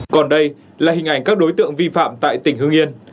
còn đây là hình ảnh các đối tượng vi phạm tại tỉnh hương yên